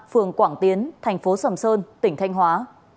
phường quảng tiến thành phố sầm sơn tỉnh thanh hóa